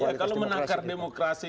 ya kalau menangkar demokrasi